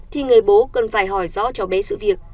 thì người bố cần phải hỏi rõ cho bé sự việc